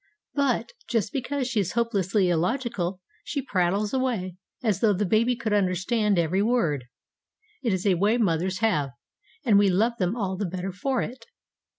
But, just because she is so hopelessly illogical, she prattles away as though the baby could understand every word. It is a way mothers have, and we love them all the better for it.